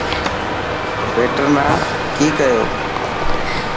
ويٽر نا ڪي ڪيو.